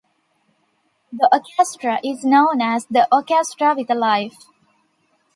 The orchestra is known as The Orchestra with a Life.